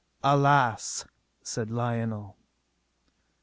Alas, said Lionel.